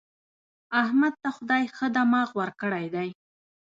احمد ته خدای ښه دماغ ورکړی دی.